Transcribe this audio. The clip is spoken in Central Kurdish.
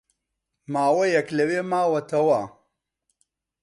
ماوەیەک لەوێ ماوەتەوە